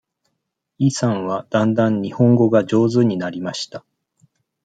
イさんはだんだん日本語が上手になりました。